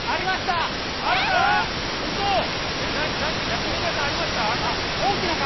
焼肉屋さんありました？